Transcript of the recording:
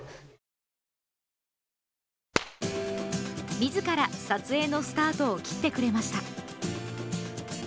みずから撮影のスタートを切ってくれました。